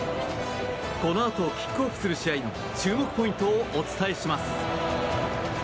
このあとキックオフする試合の注目ポイントをお伝えします。